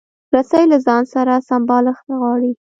رسۍ له ځان سره سمبالښت غواړي.